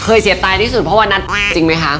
เสียตายที่สุดเพราะวันนั้นจริงไหมคะ